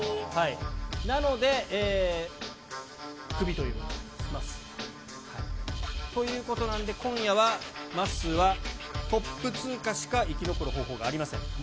なので、クビということです、まっすー。ということなんで、今夜は、まっすーは、トップ通過しか生き残る方法がありません。